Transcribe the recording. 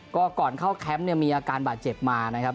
ก็ก่อนเข้าแคมป์เนี่ยมีอาการบาดเจ็บมานะครับ